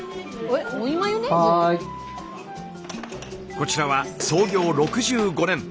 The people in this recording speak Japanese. こちらは創業６５年。